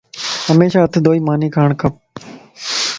ھميشا ھٿ ڌوئي ماني کا